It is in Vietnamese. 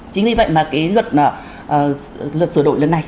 chính vì vậy mà cái luật sửa đổi lần này